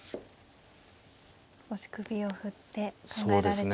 少し首を振って考えられていますね。